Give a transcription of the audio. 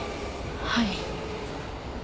はい。